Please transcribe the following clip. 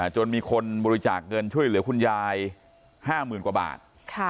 จนมีคนบริจาคเงินช่วยเหลือคุณยาย๕๐๐๐กว่าบาท